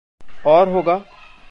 और होगा।